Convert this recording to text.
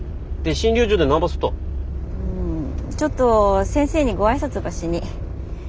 ちょっと先生にご挨拶ばしに。